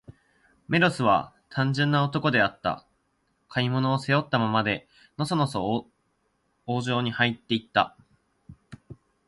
メロスは、単純な男であった。買い物を、背負ったままで、のそのそ王城にはいって行った。